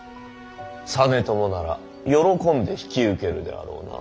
実朝なら喜んで引き受けるであろうな。